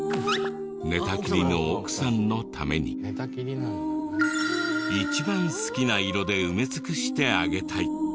寝たきりの奥さんのために一番好きな色で埋め尽くしてあげたい。